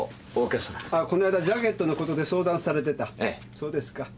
そうですか。